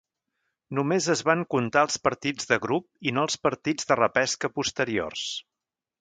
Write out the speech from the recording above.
Només es van comptar els partits de grup i no els partits de repesca posteriors.